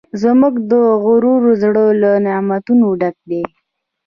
زموږ د غرونو زړه له نعمتونو ډک دی.